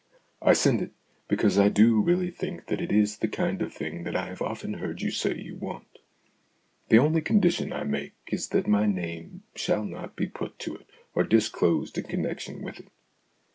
I send it, because I do really think that it is the kind of thing that I have often heard you say you want. The only condition I make is that my name shall not be put to it, or disclosed in connection with it.